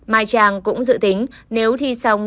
mai trang cũng dự tính nếu thi xong